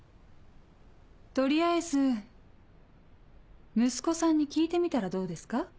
取りあえず息子さんに聞いてみたらどうですか？